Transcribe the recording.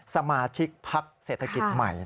สมาชิกพักเศรษฐกิจใหม่